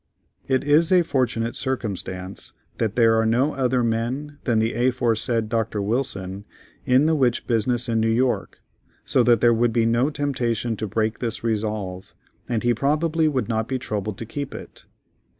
It is a fortunate circumstance that there are no other men than the aforesaid Doctor Wilson, in the witch business in New York, so that there would be no temptation to break this resolve, and he probably would not be troubled to keep it.